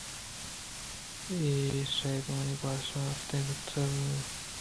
اے شادوانی بادشاہ آفتیں گژمبے اَت